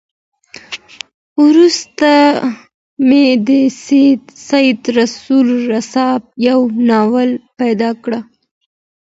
وروسته مي د سيد رسول رسا يو ناول پيدا کړ.